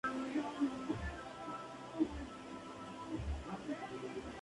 Como administrador, el gobierno provincial es el encargado de la designación del personal docente.